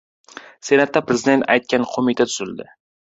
Senatda prezident aytgan qo‘mita tuzildi